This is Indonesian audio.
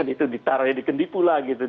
itu ditaruhnya di kendi pula gitu